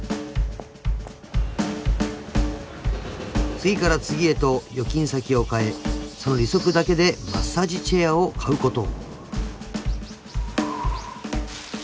［次から次へと預金先を変えその利息だけでマッサージチェアを買うことを］